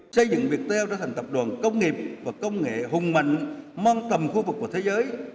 xây dựng việt heo trở thành tập đoàn công nghiệp và công nghệ hùng mạnh mang tầm khu vực và thế giới